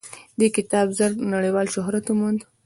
دې کتاب ژر نړیوال شهرت وموند.